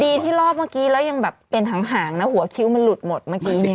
ดีที่รอบเมื่อกี้แล้วยังแบบเป็นหางนะหัวคิ้วมันหลุดหมดเมื่อกี้เนี่ย